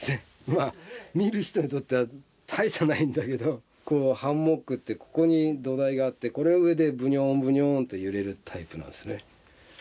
まあ見る人にとっては大差ないんだけどハンモックってここに土台があってこれ上でぶにょんぶにょんって揺れるタイプなんですね。